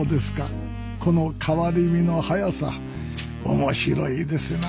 この変わり身の早さ面白いですな